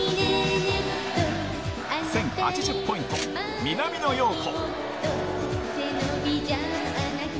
１０８０ポイント、南野陽子。